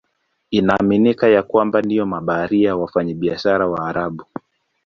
Inaaminika ya kwamba ndio mabaharia na wafanyabiashara Waarabu.